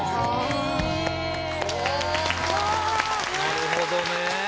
なるほどね。